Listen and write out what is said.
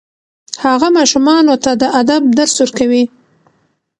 هغه ماشومانو ته د ادب درس ورکوي.